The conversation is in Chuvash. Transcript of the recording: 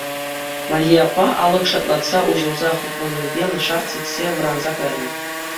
Марье аппа алӑк шалтлатса уҫӑлса хупӑннипе шарт сиксе вӑранса кайрӗ.